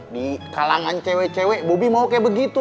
di kalangan cewek cewek bobby mau kayak begitu